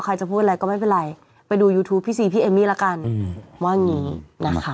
ใครจะพูดอะไรก็ไม่เป็นไรไปดูยูทูปพี่ซีพี่เอมมี่ละกันว่าอย่างนี้นะคะ